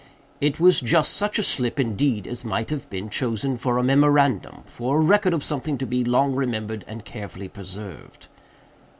It was just such a slip, indeed, as might have been chosen for a memorandum—for a record of something to be long remembered and carefully preserved."